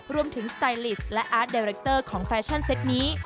รวมถึงสไตลิสต์และอาร์ตเดร็กเตอร์ของแฟชั่นเซตนี้